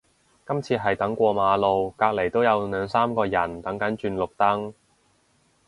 今次係等過馬路，隔離都有兩三個人等緊轉綠燈